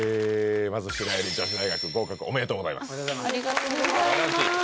まず白百合女子大学合格おめでとうございますありがとうございます